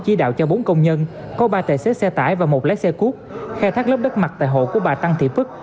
chỉ đạo cho bốn công nhân có ba tài xế xe tải và một lái xe cuốt khai thác lớp đất mặt tại hộ của bà tăng thị phức